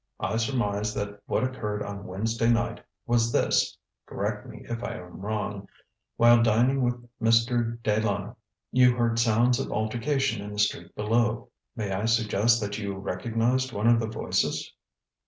I surmise that what occurred on Wednesday night was this (correct me if I am wrong): While dining with Mr. De Lana you heard sounds of altercation in the street below. May I suggest that you recognized one of the voices?